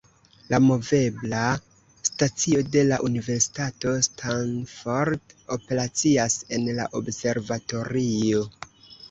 La movebla stacio de la Universitato Stanford operacias en la observatorio.